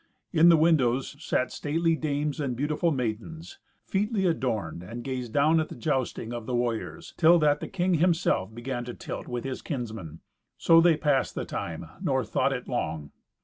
In the windows sat stately dames and beautiful maidens, featly adorned, and gazed down at the joisting of the warriors, till that the king himself began to tilt with his kinsmen. So they passed the time, nor thought it long.